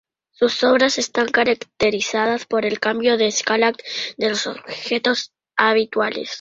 Sus obras están caracterizadas por el cambio de escala de los objetos habituales.